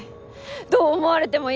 どう思われてもいい。